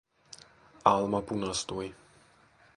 Alma punastui.